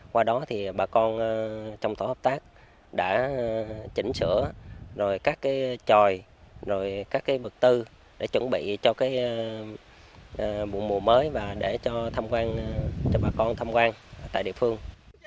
qua đó bà con trong tổ hợp tác đã chỉnh sửa cắt tròi bực tư để chuẩn bị cho mùa mới và để cho bà con tham quan tại địa phương